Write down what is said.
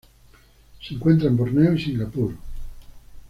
Se encuentra en Borneo y Singapur.